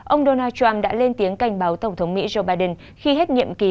ông donald trump đã lên tiếng cảnh báo tổng thống mỹ joe biden khi hết nhiệm kỳ